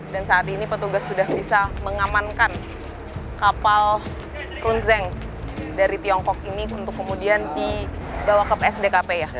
dan saat ini petugas sudah bisa mengamankan kapal runzeng dari tiongkok ini untuk kemudian di bawah ke psdkp ya pak